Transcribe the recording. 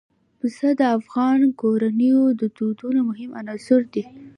پسه د افغان کورنیو د دودونو مهم عنصر دی.